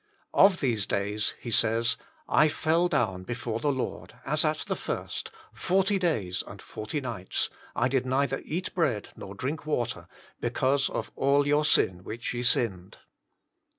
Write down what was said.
Of these days he says, " I fell down before the Lord, as at the first, forty days and forty nights, I did 5 52 THE MINISTRY OF INTERCESSION neither eat bread, nor drink water, because of all your sin which ye sinned."